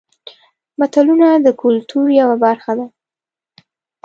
متلونه د کولتور یوه برخه ده